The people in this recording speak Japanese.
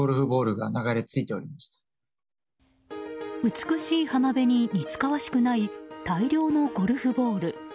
美しい浜辺に似つかわしくない大量のゴルフボール。